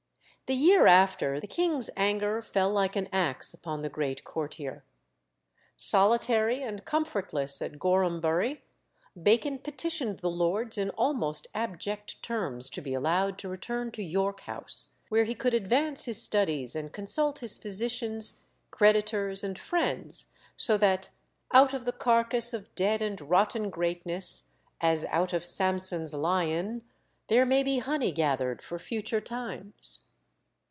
The year after, the king's anger fell like an axe upon the great courtier. Solitary and comfortless at Gorhambury, Bacon petitioned the Lords in almost abject terms to be allowed to return to York House, where he could advance his studies and consult his physicians, creditors, and friends, so that "out of the carcass of dead and rotten greatness, as out of Samson's lion, there may be honey gathered for future times."